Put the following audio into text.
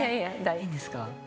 いいんですか？